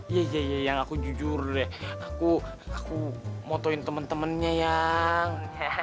iya iya iya iya aku jujur deh aku aku motoin temen temennya yang